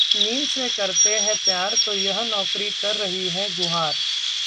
नींद से करते हैं प्यार तो यह नौकरी कर रही है गुहार...